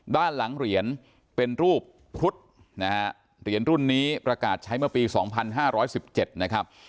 ด้านหลังเหรียญเป็นรูปครุฑนะครับเหรียญรุ่นนี้ประกาศใช้เมื่อปีสองพันห้าร้อยสิบเจ็ดนะครับ